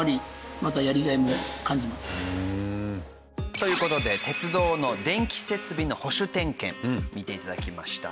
という事で鉄道の電気設備の保守点検見て頂きました。